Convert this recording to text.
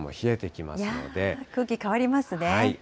空気変わりますね。